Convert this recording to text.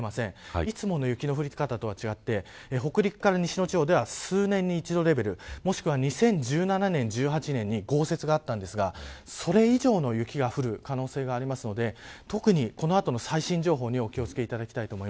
いつもの雪の降り方とは違って北陸から西の地方では数年に一度レベルもしくは２０１７年、１８年に豪雪があったんですがそれ以上の雪が降る可能性があるので特に、この後の最新情報にお気を付けください。